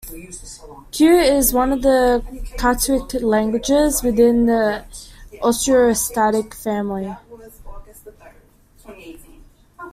Kuy is one of the Katuic languages within the Austroasiatic family.